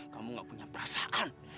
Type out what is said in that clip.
kamu gak punya perasaan